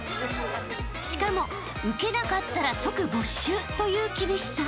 ［しかもウケなかったら即没収という厳しさ］